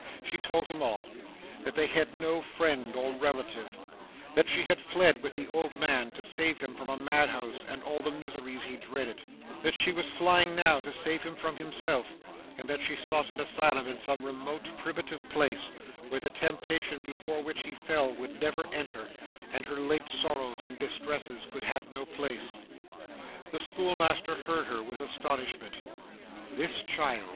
She told him all that they had no friend or relative that she had fled with the old man, to save him from a madhouse and all the miseries he dreaded that she was flying now, to save him from himself and that she sought an asylum in some remote and primitive place, where the temptation before which he fell would never enter, and her late sorrows and distresses could have no place. The schoolmaster heard her with astonishment. 'This child!